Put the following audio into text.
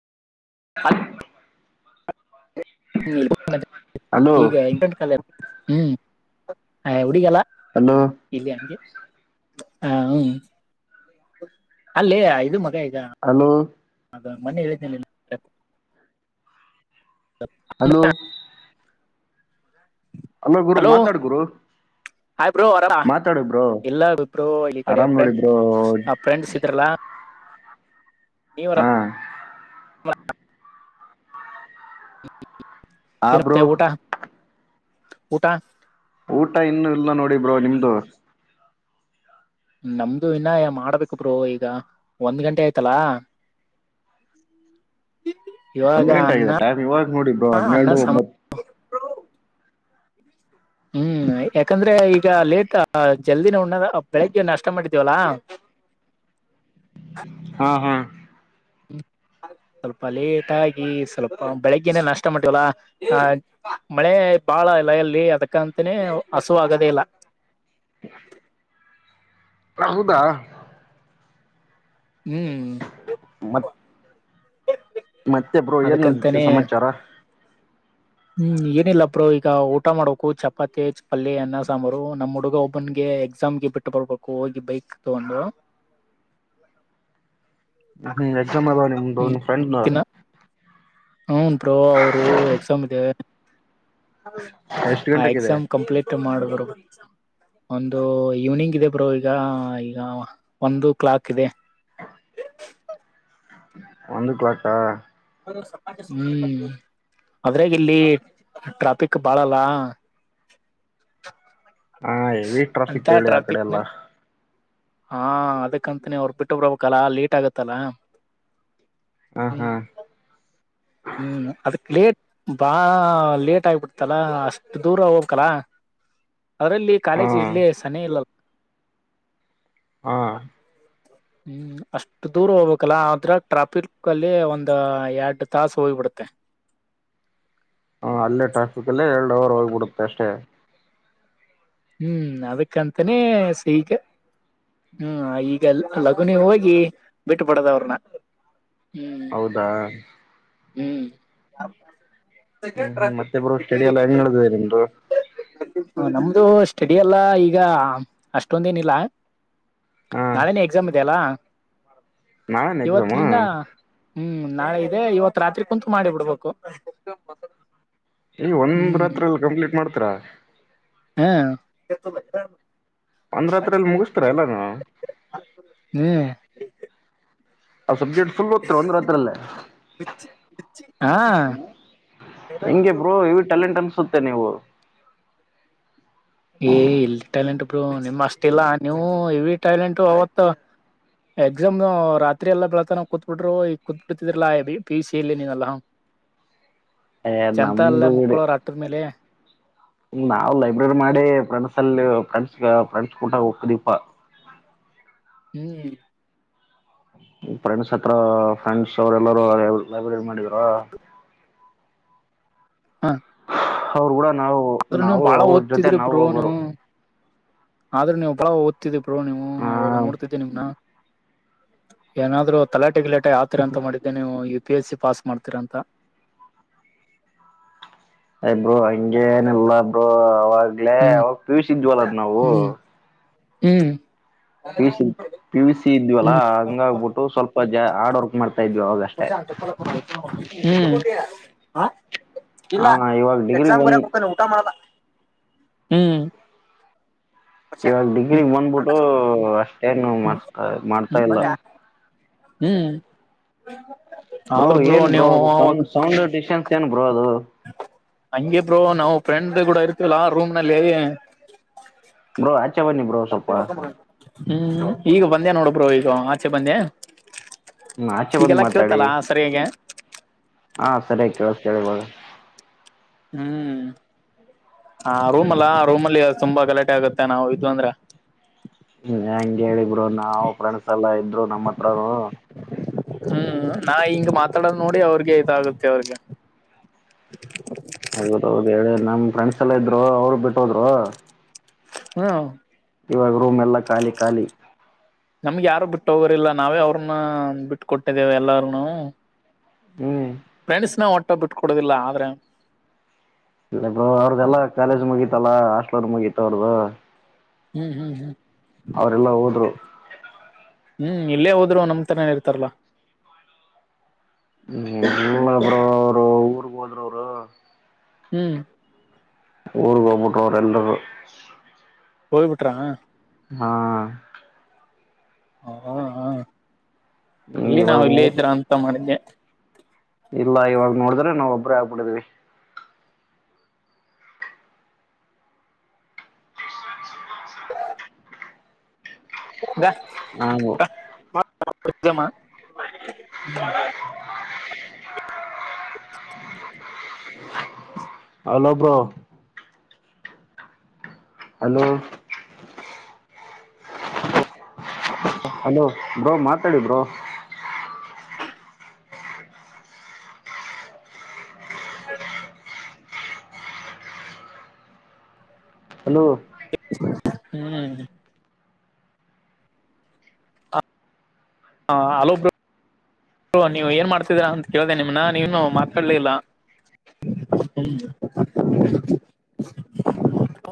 [inaudible] Hello ಈಗ ಇಂಟಂ ಕಾಲ ಹ್ಮ್ ಹ ಹುಡಿಗಲ್ಲ ಹಲೋ ಇಲ್ಲಿ ಹಂಗೆ ಹ ಹ್ಮ್ ಅಲ್ಲೇ ಇದು ಮಗ ಆ ಅನು ಮನೆ ಹೇಳಿದ್ದೇನೆ ಹಲೋ ಹ ಅಲ್ಲ ಗುರು ಮಾತಾಡ್ ಗುರು ಆಬ್ರ ಮಾತಾಡ ಬ್ರೋ ಇಲ್ಲ ಬಿಬ್ರ ಈ ಆರಾಮ್ ಕಡೆ ್ರಂಡ್ ಫ್ರೆಂಡ್ಸ್ ಇದ್ರಲ್ಲ ಹ ನೀವರ ಆ ಏನ ಬ್ರೋ ಊಟ ಊಟ ಊಟ ಇನ್ನುೂ ಇಲ್ ನೋಡಿ ಬ್ರೋ ನಿಮ್ದು ನಮ್ದು ಇನ್ನ ಮಾಡ್ಬೇಕಬ್ರು ಈಗ ಒಂದ್ ಗಂಟೆ ಆಯ್ತಲ್ಲ ಇವಾಗ ಒಂದ್ ಗಂಟೆ ಅನ್ನ ಆಗಿದೆ ಟೈಮ್ ಇವಾಗ ನೋಡಿ ಬ್ರೋ ಅನ್ನ ಹನ್ನೆರಡು ಸಾಂಬಾರ್ ಒಂಬತ್ತು ಹ್ಮ್ ಹ ಯಾಕಂದ್ರೆ ಈಗ ಲೇಟ್ ಜಲ್ದಿನ ಉಣ್ಣದ ಬೆಳಿಗ್ಗೆ ನಷ್ಟ ಮಾಡಿದೀವಲ್ಲಾ ಹಾ ಹಾ ಹ್ಮ ಸ್ವಲ್ಪ ಲೇಟ್ ಆಗಿ ಸ್ವಲ್ಪ ಬೆಳಗ್ಗೆನೆೇ ನಷ್ಟ ಮಾಡವಲ್ಲ ಮಳೆ ಬಾಳ ಇಲ್ಲ ಎಲ್ಲಿ ಅದಕ್ಕ ಅಂತನೇ ಹಸು ಆಗದೇ ಇಲ್ಲ [unintelligible] ಪ್ರಹುದಾ ಹ್ಮ್ ಮತ್ತೆಬ್ರು ಏನ್ ನಡತತಿ ಅದಕ್ಕಂತಾನೇ ಸಮಾಚಾರ ಹ್ಮ್ ಏನಿಲ್ಲಪ್ರರು ಈಗ ಊಟ ಮಾಡಕು ಚಪಾತಿ ಪಲ್ಯ ಅನ್ನ ಸಾಂಬಾರು ನಮ್ ಹುಡುಗ ಒಬ್ಬನ್ ಗೆ ಎಕ್ಸಾಮ್ ಗೆ ಬಿಟ್ಟು ಬರ್ಬೇಕು ಹೋಗಿ ಬೈಕ್ ತಗೊಂಡು ಹ್ಮ್ ಎಾಮ ಆದದ ಫ್ರೆಂಡ್ ದಿನ ಹನ್ ಬೋ ಅವರು ಎಕ್ಸಾಮ್ ಇದೇ ಎಷ್ಟ್ ಆ ಗಂಟೆಗಿದೆ ಎಕ್ಸಾಮ್ ಕಂಪ್ಲೀಟ್ ಮಾಡರು ಒಂದು ಈವ್ನಿಂಗ್ ಇದೆ ಬ್ರೋ ಈಗ ಈಗ ಒಂದು ಕ್ಲಾಕ್ ಇದೆ ಒಂದು ಕ್ಲಾಕ್ಕಾ ಹ್ಮ್ ಅದ್ರಾಗ ಇಲ್ಲಿ ಟ್ರಾಫಿಕ್ ಬಾಳಲ್ಲ ಹಾ ಎವಿ ಅಂತ ಟ್ರಾಫಿಕ್ ಹೇಳಿ ಆ ಕಡೆ ಟ್ರಾಫಿಕ್ ಎಲ್ಲ ನಲ್ಲಿ ಹಾ ಅದಕ್ಕಂತನಿ ಅವ್ರ ಬಿಟ್ಟು ಬ್ರಬಕ್ಲ್ಲ ಲೇಟ್ ಆಗತ್ತಲ್ಲ ಹ್ಮ ಹ್ಮ ಹ್ಮ್ ಅದಕ್ ಲೇಟ್ ಬಾ ಲೇಟ್ ಆಗ್ಬಿಡ್ತಲ್ಲ ಅಷ್ಟ ದೂರ ಹೋಗ್ಕಲಾ [unintelligible] ಅವರಲ್ಲಿ ಹಾ ಕಾಲೇಜ್ ಇರ್ಲಿ ಸನ ಇಲ್ಲಲ್ಲ ಹಾ ಪಾಲೆಲ್ಲ ಹ್ಮ್ ಅಷ್ಟ್ ದೂರ ಹೋಗ್ಬೇಕಲ್ಲ ಆದ್ರ ಟ್ರಾಫಿಕ್ ಅಲ್ಲಿ ಒಂದ ಎರಡು ತಾಾಸು ಹೋಗಿ್ಪಡುತ್ತೆ ಹ ಅಲ್ಲೇ ಟ್ರಾಫಿಕ್ ಅಲ್ಲೇ ಎರಡು ಅವರ್ ಹೋಗ್ಬಿಡುತ್ತೆ ಅಷ್ಟೇ ಹ್ಮ್ ಅದಕ್ಕಂತಾನೇ ಸೈಕ್ ಹ್ಮ್ ಈಗ ಲಗುನಿ ಹೋಗಿ ಬಿಟ್ಟುಬಡದವ್ರನ್ನ ಹೌದಾ ಹ್ಮ್ ಹ್ಮ್ ಹು ಮತ್ತೆ ಬ್ರೋ ಸ್ಟಡಿ ಎಲ್ಲ ಹೆಂಗ ನಡದಿದೆ ಬ್ರೋ ನಮ್ದು ಸ್ಟಡಿ ಎಲ್ಲ ಈಗ ಅಷ್ಟೊಂದ ಏನಿಲ್ಲ ಹಾ ನಾಳೇನೆ ಎಕ್ಸಾಮ್ ಇದೆ ಅಲ್ಲ. ನಾಳೆನ ಎಕ್ಸಾಮು ಇವತ್ಲಿಂದ ಹ್ಮ್ ನಾಳೆ ಇದೆ ಇವತ್ ರಾತ್ರಿ ಕುಂತು ಮಾಡಿ ಬಿಡಬಕ ಈ ಒಂದ ರಾತ್ರಿ ಅಲ್ಲಿ ಕಂಪ್ಲೀಟ ಮಾಡ್ತೀರಾ ಹಾ ಒಂದ ರಾತ್ರಿಲಿ ಮುಗಸ್ತಿರ ಎಲ್ಲಾನಾ ಹ್ಮ್ ಸಬ್ಜೆಕ್ಟ್ ಫುಲ್ ಓದತೆ ಒಂದ್ ರಾತ್ರಲ್ಲೇ ಹಾ ಹೆಂಗೆ ಬ್ರೋ ಇ ಟ್ಯಾಲೆಂಟ್ ಅನ್ಸು ನೀವು ಏ ಎಲ್ಲಿ ಟ್ಯಾಲೆಂಟ್ಬ್ ಬ್ರೋ ನಿಮ್ಮ್ ಅಷ್ಟ ಇಲ್ಲ ನೀವು ಹೆವಿ ಟ್ಯಾಲೆಂಟ ಅವತ್ ಎಕ್ಸಾಮ್ ರಾತ್ರಿ ಎಲ್ಲ ಬೆಳತಾನ ಕೂತ್ಬಿಟ್ರು ಈಗ ಕೂತ್ಬ ಬಿಡ್ತಿದ್ರಲ್ಲಾ ಪಿ ಯು ಸಿ ಇಲ್ಲಿ ನೀನಲ್ಲ ಹ ಹೇ ಅದ ನಮ್ಮೀಡು ಮಕ್ಕಳು ರಾಟ್ರ ಮೇಲೆ ಹ ನಾವ್ ಲೈಬ್ರರಿ ಮಾಡಿ ಫ್ರೆಂಡ್ಸ್ ಅಲ್ಲಿ ಫ್ರೆಂಡ್ಸ್ ಫ್ರಂಡ್ಸ್ ಕುಟಾಗ ಹೋಕ್ಕೆದಿಪ್ಪ ಹ್ಮ ಹ್ಮ್ ಫ್ರೆಂಡ್ಸ್ ಹತ್ರ ಫ್ರೆಂಡ್ಸ್ ಅವ್ರ ಎಲ್ಲಾರ ಲೈಬ್ರರಿ ಮಾಡಿದರ ಹ ಅವ್ರು ಕೂಡ ನಾವು ಆದ್ರೂ ನೀವು ನಾವು ಬಾಳ ಅವ್ರ ಜೊತೆ ಓದ್ತದ್ರಿ ನಾವು ಬ್ರೋನು ಹೋಗೋರು ಆದ್ರೆ ನೀವು ಬಾಳ ಓದ್ತಿದ್ದಿರಿ ಬ್ರೋ ನೀವು ಅವಾಗ ಹ ನೋಡ್ತಿದ್ದೆ ನಿಮ್ನ ಏನಾದ್ರರು ತಲಾಟೆ ಗಿಲಾಟೆ ಆತರ ಅಂತ ಮಾಡಿದ್ದೆ ನೀವು ಪಿ ಎಚ್ ಸಿ ಪಾಸ್ ಮಾಡ್ತೀರಂತ ಹೈ ಬ್ರೋ ಹೈ ಹಂಗೇನಲ್ಲ ಬ್ರೋ ಅವಾಗ್ಲೇ ಹ್ಮ್ ಅವಾಗ ಪಿಯುಷಿ ಇದವಲ್ಲ ನಾವು ಹ್ಮ್ ಹ್ಮ್ P C P U C ಹ್ಮ್ ಇದ್ವಲ್ಲಾ ಹಂಗಾಗಬಿಟ್ಟು ಸ್ವಲ್ಪ ಜ ಹಾರ್ಡ್ ವರ್ಕ್ ಮಾಡ್ತಾ ಇದ್ವಿ. ಅವಾಗ ಹ ಅಷ್ಟೇ ಶಂತ ಕಲಕ ಹ [unintelligible] ಇಲ್ಲ ಹಾ ಇವಾಗ ಡಿಗ್ರಿ ಎಕ್ಸಾಮ್ ಬಂದ್ ಬರೆಕ್ ಹೊಕ್ಕನ್ ಊಟ ಮಾಡಲ್ಲ ಹ್ಮ್ ಇವಾಗ ಹ್ಮ್ ಡಿಗ್ರಿಗ್ ಬಂದ್ಬಿಟ್ಟು ಅಷ್ಟೇನು ಹ್ಮ್ ಮಾಡಸ್ತ ಮಾಡ್ತಾ ಹ್ಮ್ ಇಲ್ಲ ಹ್ಮ್ ಬ್ರೋ ಆದ್ರ ಏನ್ ಬ್ರೋ ನೀವು ಅದು ಅವಾಗ ಸೌಂಡ್ ಸೌಂಡ್ ಡಿಸ್ಟೆನ್ಸ್ ಏನ್ ಬ್ರೋ ಅದು ಹಂಗೆ ಬ್ರೋ ನಾವು ಫ್ರೆಂಡ್ ಕೂಡ ಇರ್ತಿವಲ್ಲ ರೂಮ್ ನಲ್ಲಿ ಬ್ರೋ ಆಚೆ ಬನ್ನಿ ಬ್ರೋ ಸ್ವಲ್ಪ ಹ್ಮ್ ಈಗ ಬಂದ್ಯಾ ನೋಡ ಬ್ರೋ ಈಗ ಆಚೆ ಬಂದೆ. ಆಚೆ ಬಂದ್ ಈಗೆಲ್ಲಾ ಮಾತಾಡಿ ಕೇಳ್ತಲ್ಲ ಸರಿಯಾಗಿ ಹಾ ಸರಿಯಾಗಿ ಕೇಳಸ ಕೇಳ್ ಈವಾಗ್ ಹ್ಮ್ ಹಾ ರೂಮ್ ಅಲ್ಲಾ ರೂಮಲ್ಲಿ ತುಂಬಾ ಗಲಾಟೆ ಆಗತ್ತೆ ನಾವು ಇದವ ಅಂದ್ರೆ ಹ್ಮ್ ಹೆಂಗ ಹೇಳಿ ಬ್ರೋ ನಾವು ಫ್ರೆಂಡ್ಸ್ ಎಲ್ಲಾ ಇದ್ರು ನಮ್ಮ ಹತ್ರ ಹ್ಮ್ ನಾ ಹಿಂಗ ಮಾತಾಡೋದು ನೋಡಿ ಅವ್ರಿಗೆ ಇದಾಗುತ್ತೆ ಅವ್ರಗ ಹೌದೌಹೌದು ಹೇಳಿ ನಮ ಫ್ರೆಂಡ್ಸ್ ಎಲ್ಲ ಇದ್ರು ಅವರು ಬಿಟ್ಟ ಹೋದ್ರು ಹ್ಮ ಇವಾಗ ರೂಮ್ ಎಲ್ಲಾ ಖಾಲಿ ಖಾಲಿ ನಮ್ಗೆ ಯಾರು ಬಿಟ್ಟ ಹೋಗರಿಲ್ಲ ನಾವೇ ಅವ್ರನ್ನ ಬಿಟ್ಟ ಕೊಟ್ಟಿದ್ದೇವೆ ಎಲ್ಲಾರನು ಹ್ಮ್ ಫ್ರೆಂಡ್ಸ್ ನ ಒಟ್ಟ ಬಿಟ್ ಕೊಡೋದಿಲ್ಲ ಆದ್ರೆ ಇಲ್ಲ ಬ್ರೋ ಅವ್ರ್ದಲ್ಲಾ ಕಾಲೇಜ್ ಮುಗೀತಲ್ಲಾ ಹಾಸ್ಟ್ಲಲ ಲೋರ್ ಮುಗೀತ ಅವ್ರದ್ದು ಹ್ಮ್ ಹ್ಮ್ ಹ್ಮ್ ಹೋದ್ರು ಹ್ಮ್ ಇಲ್ಲೇ ಹೋದ್ರು ನಮತನೇನ ಇರ್ತಾರಲ್ಲ ಹ್ಮರು ಅವರು ಊರ್ಗ್ ಹೋದರು ಅವರು ಹ್ಮ್ ಊರು ಕ ಹೋಗ್ಬಿಟ್ಟ ಎಲ್ಲಗೂ ಹಯ್ ಬಿಟ್ರ ಹಾ ಹ ಹ ಹ ಎಲ್ಲಿ ನಾವ ಇವಾಗ ಇಲ್ಲ ನೋ ಇದ್ರ ಅಂತ ಮಾಡಿದ್ದೆ ಇಲ್ಲ ಇವಾಗ ನೋಡಿದ್ರೆ ನಾವವು ಒಬ್ಬ್ರೇ ಆಗ್ಬಿಟ್ಟಿದಿವವಿ ದಾ ನಾವು [inaudible] ಹಲೋಬೋ ಅಲೋ ಹಸ [inaudible] ಹಲೋ ಬ್ರೋ ಮಾತಾಡಿ ಬ್ರೋ [inaudible] ಹಲೋ ಹ್ಮ್ [inaudible] ಹಾಂ ಅಲೋ [inaudible] ಹ ನೀವ್ ಏನ್ ಮಾಡ್ತಿದ್ದೀರಾ ಅಂತ ಕೇಳ್ದ ನಿಮನ್ನ ನೀವನು ಮಾತಾಡ್ಲಿಲ್ಲ ಹ್ಮ [inaudible]